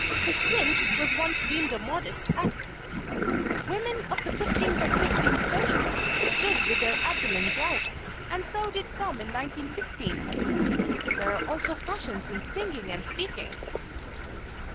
To squint was once deemed a modest act. Women of the fifteenth and sixteenth centuries stood with their abdomens out, and so did some in 1916! There are also fashions in singing and speaking.